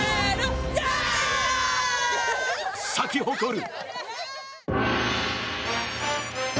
咲き誇る。